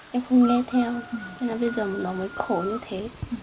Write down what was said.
em không nghe theo nên là bây giờ nó mới khổ như thế